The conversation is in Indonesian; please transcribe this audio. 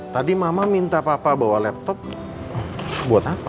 tadi mama minta papa bawa laptop buat apa